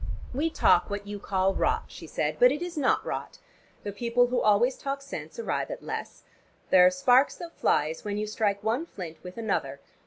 "We talk what you call rot," she said. "But it is not rot. The people who always talk sense arrive at less. There are sparks that fly, as when you strike one flint with another.